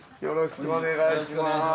よろしくお願いします。